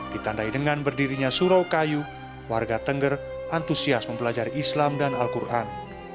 ditandai dengan berdirinya surau kayu warga tengger antusias mempelajari islam dan al quran